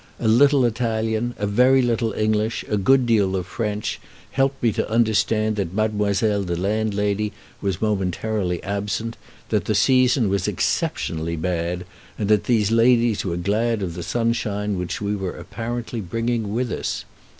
A little Italian, a very little English, a good deal of French, helped me to understand that mademoiselle the landlady was momentarily absent, that the season was exceptionally bad, and that these ladies were glad of the sunshine which we were apparently bringing with us.